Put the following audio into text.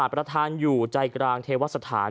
ประธานอยู่ใจกลางเทวสถาน